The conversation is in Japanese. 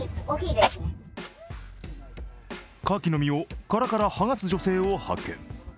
カキの身を殻から剥がす女性を発見。